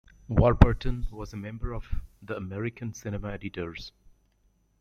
Warburton was a member of the American Cinema Editors.